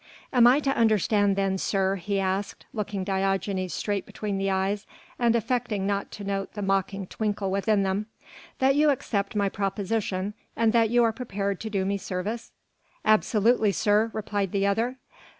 "Am I to understand then, sir," he asked, looking Diogenes straight between the eyes and affecting not to note the mocking twinkle within them, "that you accept my proposition and that you are prepared to do me service?" "Absolutely, sir," replied the other.